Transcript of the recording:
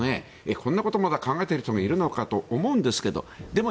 このようなことをまだ考えている人がいるのかと思いますけれども。